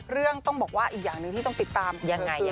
เรื่องต้องบอกว่าอีกอย่างหนึ่งที่ต้องติดตามยังไง